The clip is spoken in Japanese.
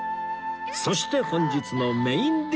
そして本日のメインディッシュ